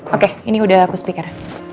oke ini udah aku speaker